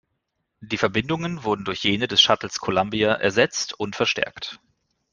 Die Verbindungen wurden durch jene des Shuttles Columbia ersetzt und verstärkt.